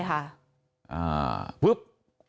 ใช่ค่ะ